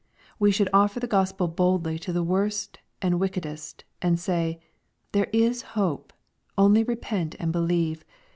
We should offer the Gospel boldly to the worst and wickedest, and say, " There is hope. Only repent and believe.